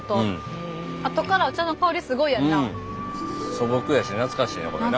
素朴やし懐かしいねこれな。